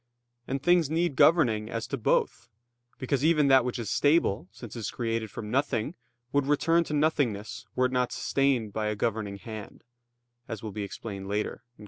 And things need governing as to both: because even that which is stable, since it is created from nothing, would return to nothingness were it not sustained by a governing hand, as will be explained later (Q.